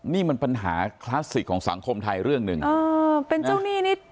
นี่มันปัญหาคลาสสิกของสังคมไทยเรื่องหนึ่งเออเป็นเจ้าหนี้นิด